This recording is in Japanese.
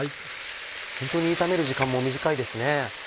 ホントに炒める時間も短いですね。